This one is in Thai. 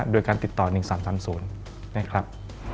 โดยการติดต่อ๑๓๓๐นะครับ